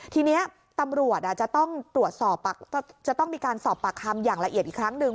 ทีนี้ตำรวจจะต้องมีการสอบปากคำอย่างละเอียดอีกครั้งหนึ่ง